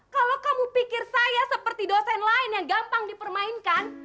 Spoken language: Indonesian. kalau kamu pikir saya seperti dosen lain yang gampang dipermainkan